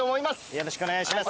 よろしくお願いします。